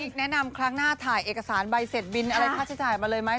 แนะนำครั้งหน้าถ่ายเอกสารใบเสร็จบินอะไรค่าใช้จ่ายมาเลยไหม